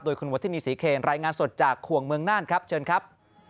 คุณวัฒนีศรีเคนรายงานสดจากขวงเมืองน่านครับเชิญครับ